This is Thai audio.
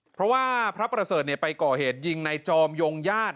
เพราะว่าพระประเสริฐไปก่อเหตุยิงในจอมยงญาติ